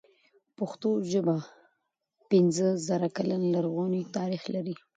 پښتو ژبه پنځه زره کلن لرغونی تاريخ لري.